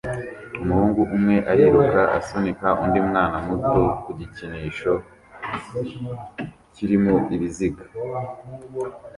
Umuhungu umwe ariruka asunika undi mwana muto ku gikinisho kirimo ibiziga